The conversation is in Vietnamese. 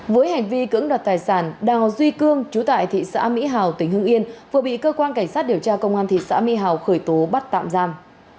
với hành vi cưỡng đoạt tài sản đào duy cương chú tại thị xã mỹ hào tỉnh hưng yên vừa bị cơ quan cảnh sát điều tra công an thị xã mỹ hào khởi tố bắt tạm giam